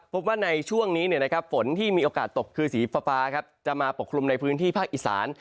พบว่าในช่วงนี้ฝนที่มีโอกาสตกคือสีฟ้าจะมาปกคลุมในพื้นที่ภาคอีสาน